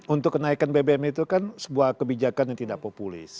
untuk kenaikan bbm itu kan sebuah kebijakan yang tidak populis